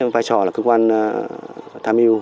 phải trò là cơ quan tham hiu